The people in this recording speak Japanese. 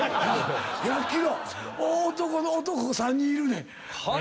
大男の男３人いるねん。